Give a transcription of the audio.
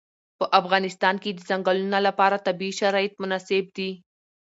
په افغانستان کې د ځنګلونه لپاره طبیعي شرایط مناسب دي.